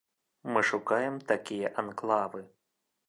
Мы шукаем такія анклавы.